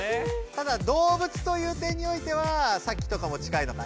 ただどうぶつという点においてはサキとかも近いのかな。